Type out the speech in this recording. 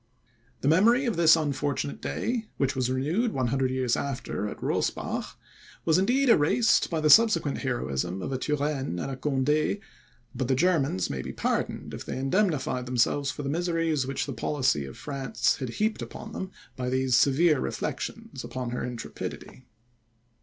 The memory of this unfortunate day, which was renewed 100 years after at Rosbach, was indeed erased by the subsequent heroism of a Turenne and Conde; but the Germans may be pardoned, if they indemnified themselves for the miseries which the policy of France had heaped upon them, by these severe reflections upon her intrepidity.